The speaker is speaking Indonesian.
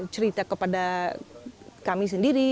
cerita kepada kami sendiri